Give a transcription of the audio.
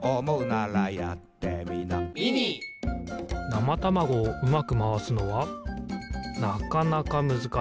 なまたまごをうまくまわすのはなかなかむずかしい。